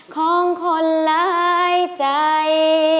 ของคนหลายใจ